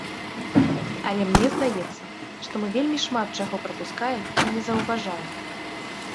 Але мне здаецца, што мы вельмі шмат чаго прапускаем і не заўважаем.